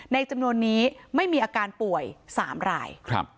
จำนวนนี้ไม่มีอาการป่วย๓ราย